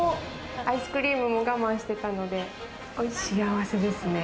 アイスクリームも我慢してたので、すごい幸せですね。